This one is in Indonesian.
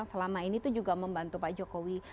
selama ini tuh juga membantu pak jokowi